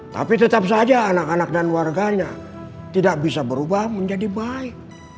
tapi tetap saja anak anak dan warganya tidak bisa berubah menjadi baik